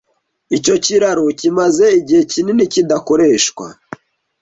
Icyo kiraro kimaze igihe kinini kidakoreshwa.